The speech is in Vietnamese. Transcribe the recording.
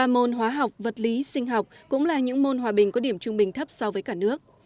ba môn hóa học vật lý sinh học cũng là những môn hòa bình có điểm trung bình thấp so với cả nước